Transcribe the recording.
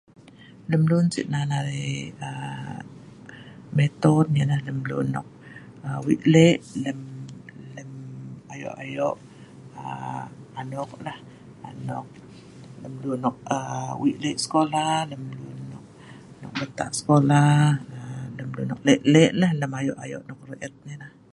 lem lun sik nan arai aa meiton ialah lem lun nok aa weik lek lem lem ayok ayok aa anok nah anok lem lun nok aa weik sekola lem lun nok beltak sekola aa lem lun nok lek lek la lem ayok ayok lum lem et nai la